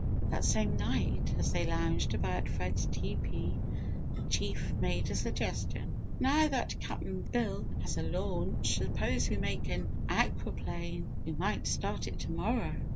That same night, as they lounged about Fred's teepee, the Chief made a suggestion. "Now that Cap'n Bill has a launch suppose we make an aqua plane? We might start it to morrow."